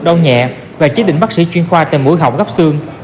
đau nhẹ và chế định bác sĩ chuyên khoa tại mũi hỏng gấp xương